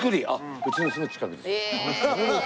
うちのすぐ近くです。